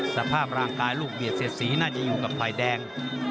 สภาพร่างกายลูกเบียดเสียดสีน่าจะอยู่กับฝ่ายแดง